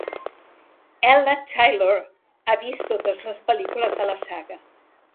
Ella Taylor ha vist totes les pel·lícules de la saga.